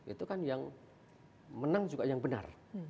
itu kan yang menang juga yang benar